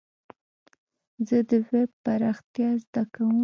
زه د ويب پراختيا زده کوم.